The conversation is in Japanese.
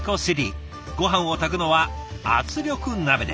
ごはんを炊くのは圧力鍋で。